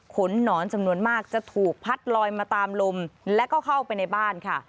หนอนจำนวนมากจะถูกพัดลอยมาตามลมแล้วก็เข้าไปในบ้านค่ะ